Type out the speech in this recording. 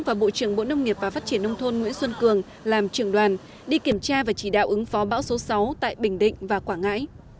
và bộ trưởng bộ nông nghiệp và phát triển nông thôn nguyễn xuân cường làm trưởng đoàn đi kiểm tra và chỉ đạo ứng phó bão số sáu tại bình định và quảng ngãi